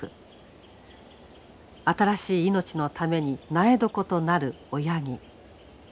新しい命のために苗床となる親木。